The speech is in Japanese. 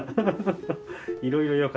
いろいろよかった？